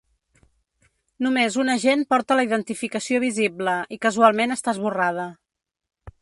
Només un agent porta la identificació visible i casualment està esborrada.